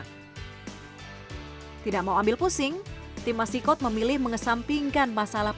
nggak bisa nah mereka nggak paham